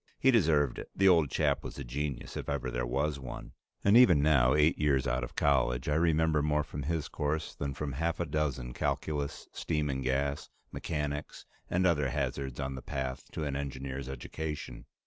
He deserved it; the old chap was a genius if ever there was one, and even now, eight years out of college, I remember more from his course than from half a dozen calculus, steam and gas, mechanics, and other hazards on the path to an engineer's education.